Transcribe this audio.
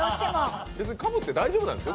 別にかぶっても大丈夫なんですよ。